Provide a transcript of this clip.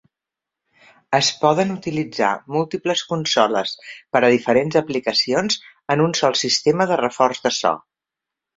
Es poden utilitzar múltiples consoles per a diferents aplicacions en un sol sistema de reforç de so.